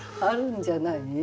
あるんじゃない？